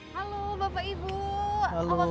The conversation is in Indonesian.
halo bapak ibu apa kabar